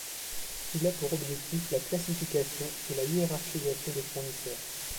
Il a pour objectifs la classification et la hiérarchisation des fournisseurs.